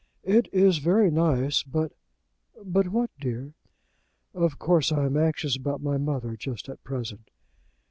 "It is very nice, but " "But what, dear?" "Of course I am anxious about my mother just at present."